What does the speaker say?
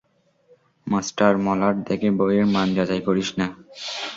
Master, মলাট দেখে বইয়ের মান যাচাই করিস না।